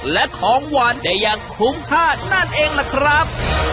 และของหวานได้อย่างคุ้มค่านั่นเองล่ะครับ